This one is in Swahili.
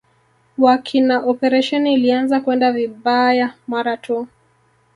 wa kina operesheni ilianza kwenda vibayaa mara tu